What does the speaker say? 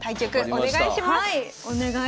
お願いします！